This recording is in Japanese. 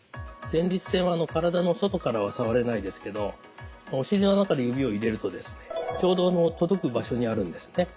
前立腺は体の外からは触れないですけどお尻の穴から指を入れるとですねちょうど届く場所にあるんですね。